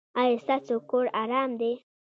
ایا ستاسو کور ارام دی؟